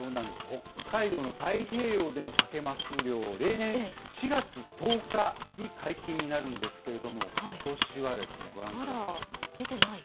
北海道の太平洋でのサケマス漁、例年、４月１０日に解禁になるんですけれども、まだ出てない？